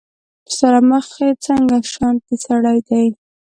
ستا له مخې څنګه شانتې سړی دی